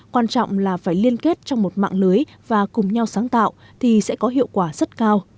quan trọng là phải liên kết trong một mạng lưới và cùng nhau sáng tạo thì sẽ có hiệu quả rất cao